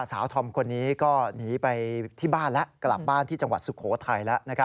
ธอมคนนี้ก็หนีไปที่บ้านแล้วกลับบ้านที่จังหวัดสุโขทัยแล้ว